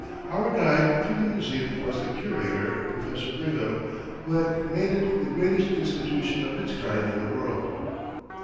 Our guide through the museum was the curator, Professor Brigham, who had made it the greatest institution of its kind in the world.